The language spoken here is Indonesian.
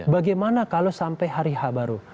bagaimana kalau sampai hari h baru